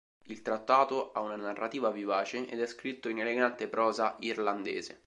Il trattato ha una narrativa vivace ed è scritto in elegante prosa irlandese.